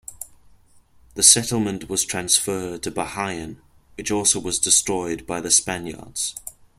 The settlement was transferred to Bahian which was also destroyed by the Spaniards.